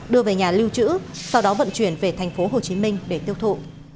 đưa về nhà lưu trữ sau đó vận chuyển về tp hồ chí minh để tiêu thụ